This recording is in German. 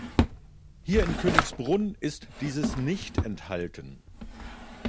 Hier in Königsbrunn ist dieses nicht erhalten.